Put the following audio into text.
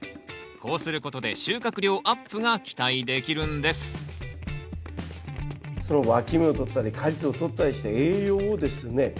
こうすることで収穫量アップが期待できるんですそのわき芽を取ったり果実を取ったりして栄養をですね